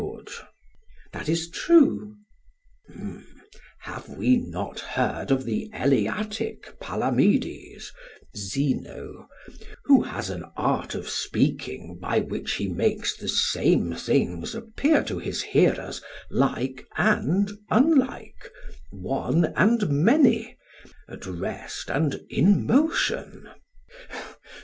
PHAEDRUS: That is true. SOCRATES: Have we not heard of the Eleatic Palamedes (Zeno), who has an art of speaking by which he makes the same things appear to his hearers like and unlike, one and many, at rest and in motion?